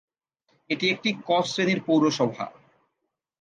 এটি একটি "ক" শ্রেণির পৌরসভা।